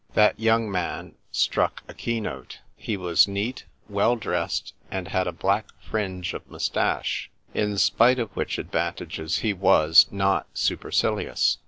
That young man struck a keynote. He was neat, well dressed, and had a black fringe of mous tache ; in spite of which advantages he was not supercilious.